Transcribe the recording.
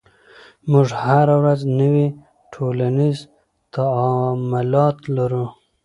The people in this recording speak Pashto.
موږ هره ورځ نوي ټولنیز تعاملات لرو.